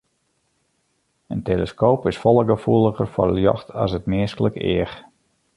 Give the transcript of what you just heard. In teleskoop is folle gefoeliger foar ljocht as it minsklik each.